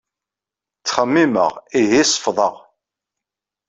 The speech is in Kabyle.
Ttxemmimeɣ, ihi seffḍeɣ.